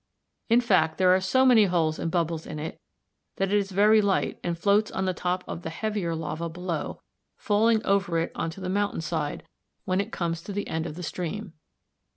In fact, there are so many holes and bubbles in it that it is very light and floats on the top of the heavier lava below, falling over it on to the mountain side when it comes to the end of the stream.